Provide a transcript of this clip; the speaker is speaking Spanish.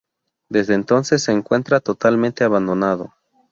Desde entonces se encuentra totalmente abandonado.